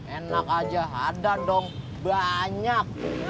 enak aja ada dong banyak